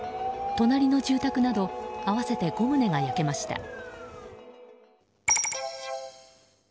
隣の住宅など合わせて５棟が焼けました。